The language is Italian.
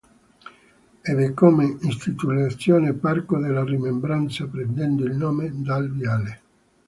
Ebbe come intitolazione "parco della Rimembranza", prendendo il nome dal viale.